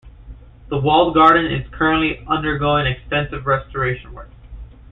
The Walled Garden is currently undergoing extensive restoration work.